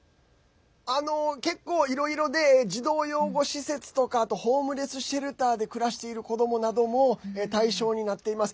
結構、いろいろで児童養護施設とかあとホームレスシェルターで暮らしている子どもなども対象になっています。